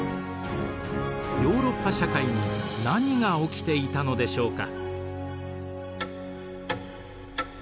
ヨーロッパ社会に何が起きていたのでしょうか。